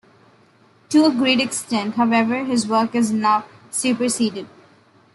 To a great extent, however, his work is now superseded.